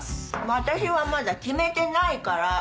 私はまだ決めてないから。